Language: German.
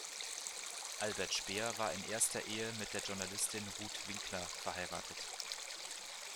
Albert Speer war in erster Ehe mit der Journalistin Rut Winkler verheiratet.